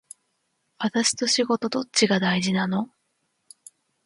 私と仕事どっちが大事なの